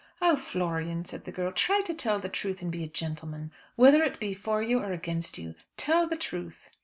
"Oh, Florian!" said the girl, "try to tell the truth and be a gentleman, whether it be for you or against you, tell the truth."